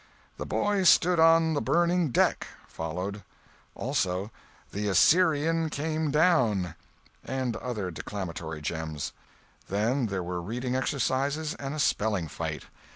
"The Boy Stood on the Burning Deck" followed; also "The Assyrian Came Down," and other declamatory gems. Then there were reading exercises, and a spelling fight.